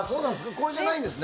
これじゃないんですね。